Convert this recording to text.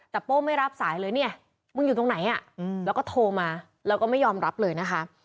แต่โป้ไม่รับสายเลยเนี่ยมึงอยู่ตรงไหนแล้วก็โทรมาแล้วก็ไม่ยอมรับเลยนะคะ